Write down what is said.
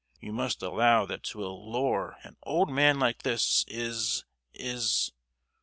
You must allow that to allure an old man like this is, is——."